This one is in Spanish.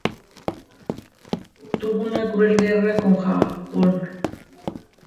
Tuvo una cruel guerra con "Jabón".